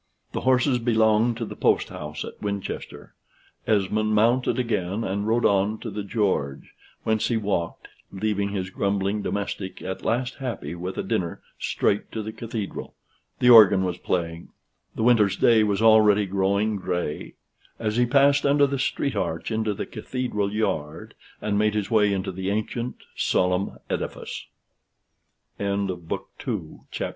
The horses belonged to the post house at Winchester. Esmond mounted again and rode on to the "George;" whence he walked, leaving his grumbling domestic at last happy with a dinner, straight to the Cathedral. The organ was playing: the winter's day was already growing gray: as he passed under the street arch into the Cathedral yard, and made his way into the ancient solemn edifice. CHAPTER VI. THE 29TH DECEMBER.